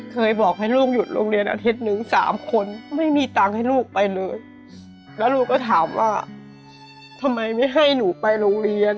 เคยบอกให้ลูกหยุดโรงเรียนอาทิตย์หนึ่งสามคนไม่มีตังค์ให้ลูกไปเลยแล้วลูกก็ถามว่าทำไมไม่ให้หนูไปโรงเรียน